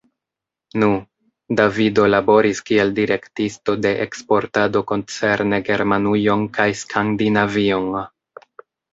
Nu, Davido laboris kiel direktisto de eksportado koncerne Germanujon kaj Skandinavion.